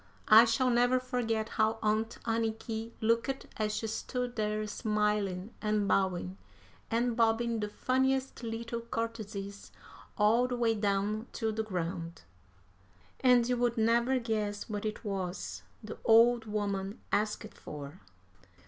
I shall never forget how Aunt Anniky looked as she stood there smiling and bowing, and bobbing the funniest little courtesies all the way down to the ground. And you would never guess what it was the old woman asked for.